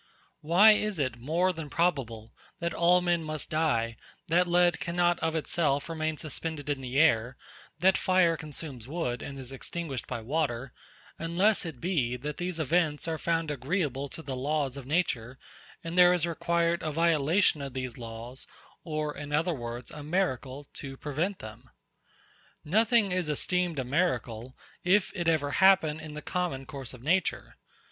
Why is it more than probable, that all men must die; that lead cannot, of itself, remain suspended in the air; that fire consumes wood, and is extinguished by water; unless it be, that these events are found agreeable to the laws of nature, and there is required a violation of these laws, or in other words, a miracle to prevent them? Nothing is esteemed a miracle, if it ever happen in the common course of nature.